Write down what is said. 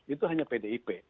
itu hanya pdip